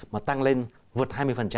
mà tăng lên vượt hai mươi